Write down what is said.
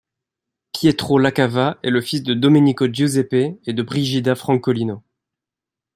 Pietro Lacava est le fils de Domenico Giuseppe et de Brigida Francolino.